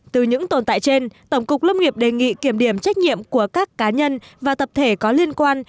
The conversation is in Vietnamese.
từ những tồn tại trên tổng cục lâm nghiệp đề nghị kiểm điểm trách nhiệm của các cá nhân và tập thể có liên quan